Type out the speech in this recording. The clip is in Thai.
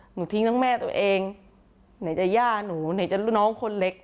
หนูทิ้งทั้งแม่ตัวเองไหนจะย่าหนูไหนจะลูกน้องคนเล็ก